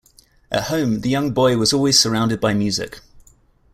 At home the young boy was always surrounded by music.